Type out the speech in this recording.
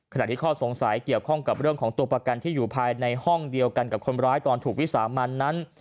ที่ข้อสงสัยเกี่ยวข้องกับเรื่องของตัวประกันที่อยู่ภายในห้องเดียวกันกับคนร้ายตอนถูกวิสามันนั้น